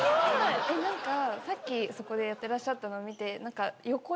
なんかさっきそこでやってらっしゃったのを見て。